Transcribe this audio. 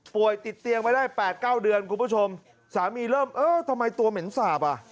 ติดเตียงมาได้๘๙เดือนคุณผู้ชมสามีเริ่มเออทำไมตัวเหม็นสาปอ่ะ